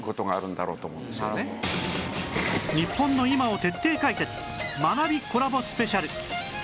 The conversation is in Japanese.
日本の今を徹底解説学びコラボスペシャル